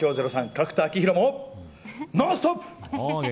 角田晃広もノンストップ！